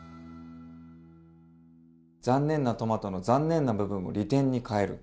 残念なトマトの残念な部分を利点に変える。